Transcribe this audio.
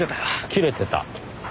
切れてた？